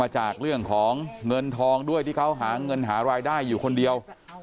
หาเงินหารายได้อยู่คนเดียว